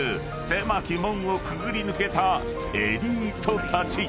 狭き門をくぐり抜けたエリートたち］